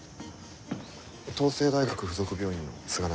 東成大学附属病院の菅波です。